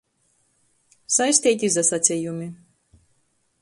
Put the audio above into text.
Saisteiti izasacejumi.